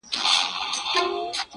تر بار لاندي یې ورمات کړله هډونه؛